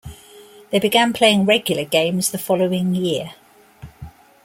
They began playing regular games the following year.